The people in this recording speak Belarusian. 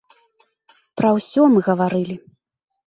Пра ўсё мы гаварылі.